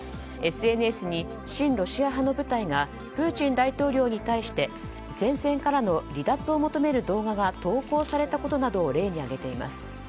ＳＮＳに親ロシア派の部隊がプーチン大統領に対して戦線からの離脱を求める動画が投稿されたことなどを例に挙げています。